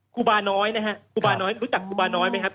ครูบาน้อยนะฮะครูบาน้อยรู้จักครูบาน้อยไหมครับ